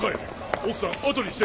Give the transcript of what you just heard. ⁉奥さん後にして。